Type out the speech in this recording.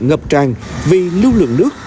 ngập tràn vì lưu lượng nước